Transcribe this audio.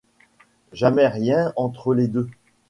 Jamais rien entre les deux.